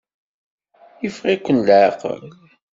Yeffeɣ-iken leɛqel?